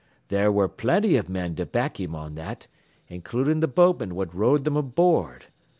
There ware plenty of men to back him on that, includin' th' boatman what rowed them aboard.